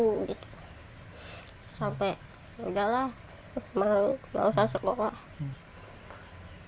sampai yaudahlah malu nggak usah sekolah